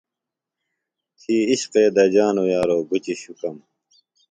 تھی عشقے دجانوۡ یارو گُچیۡ شُکم۔